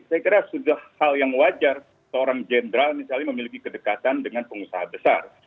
saya kira sudah hal yang wajar seorang jenderal misalnya memiliki kedekatan dengan pengusaha besar